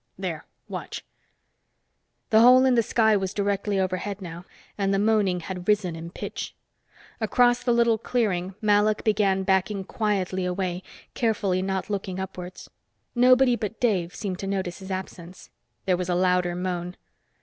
There, watch!" The hole in the sky was directly overhead now, and the moaning had risen in pitch. Across the little clearing, Malok began backing quietly away, carefully not looking upwards. Nobody but Dave seemed to notice his absence. There was a louder moan.